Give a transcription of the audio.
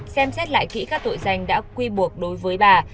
xem xét lại kỹ các tội danh đã quy buộc đối với bà